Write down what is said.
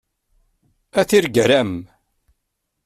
A tirgara-m!